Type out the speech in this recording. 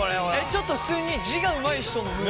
ちょっと普通に字がうまい人の「む」。